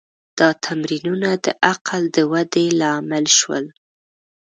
دا تمرینونه د عقل د ودې لامل شول.